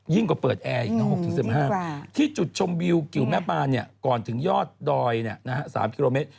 ยิ่งกว่าเปิดแอร์๖๑๕องศาเซียสที่จุดชมวิวเกี่ยวแม่ปานก่อนถึงยอดดอย๓กิโลเมตร